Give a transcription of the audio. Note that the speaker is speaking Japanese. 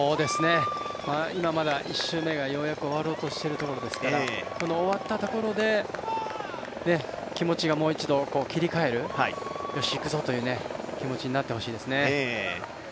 今まだ１周目がようやく終わろうとしているところですから終わったところで気持ちをもう一度切り替えるよし行くぞという気持ちになってほしいですね。